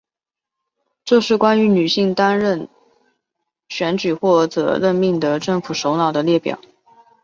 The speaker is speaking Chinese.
这是关于女性担任选举或者任命的政府首脑的列表。